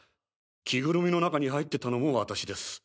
着ぐるみの中に入ってたのも私です。